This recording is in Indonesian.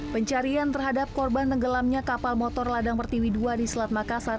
pencarian terhadap korban tenggelamnya kapal motor ladang pertiwi ii di selat makassar